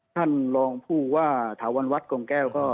ท่านรองผู้ว่าถาวรวัดกงแก้วก็